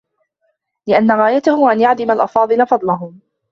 لِأَنَّ غَايَتَهُ أَنْ يَعْدَمَ الْأَفَاضِلُ فَضْلَهُمْ